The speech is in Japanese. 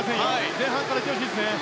前半から行ってほしいですね。